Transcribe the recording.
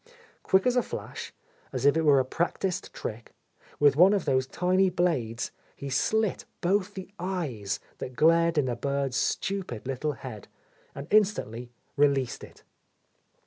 Quick as a flash, as if it were a practised trick, with one of those tiny blades he slit both the eyes that glared in the bird's stupid little head, and in stantly released it.